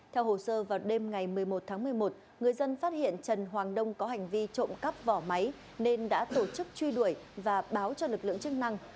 theo hồ sơ vào đêm ngày một mươi một tháng một mươi một người dân phát hiện trần hoàng đông có hành vi trộm cắp vỏ máy nên đã tổ chức truy đuổi và báo cho lực lượng chức năng